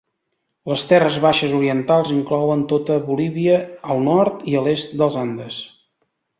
Les terres baixes orientals inclouen tota Bolívia al nord i a l'est dels Andes.